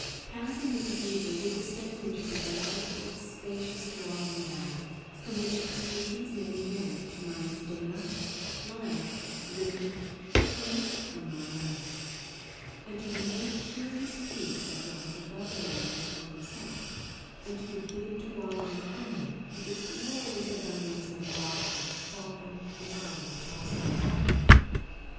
Passing the Cathedral we descend into the delightful, spacious Tuolumne Valley, from which excursions may be made to Mounts Dana, Lyell, Ritter, Conness, and Mono Lake, and to the many curious peaks that rise above the meadows on the south, and to the Big Tuolumne Cañon, with its glorious abundance of rock and falling, gliding, tossing water.